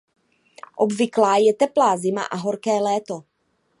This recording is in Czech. Obvyklá je teplá zima a horké léto.